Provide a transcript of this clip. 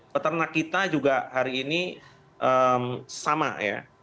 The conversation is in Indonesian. peternak kita juga hari ini sama ya